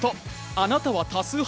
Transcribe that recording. あなたは多数派？